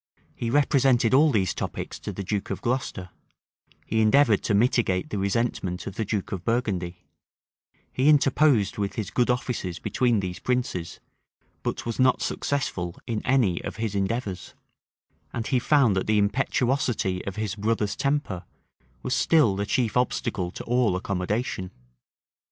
He represented all these topics to the duke of Glocester: he endeavored to mitigate the resentment of the duke of Burgundy: he interposed with his good offices between these princes, but was not successful in any of his endeavors; and he found that the impetuosity of his brother's temper was still the chief obstacle to all accommodation.